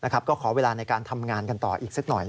ก็ขอเวลาในการทำงานกันต่ออีกสักหน่อย